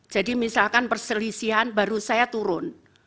jadi misalkan perselisihan baru saya turun